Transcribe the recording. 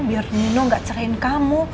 biar nino gak cerahin kamu